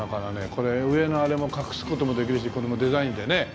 これ上のあれも隠す事もできるしこれもデザインでね。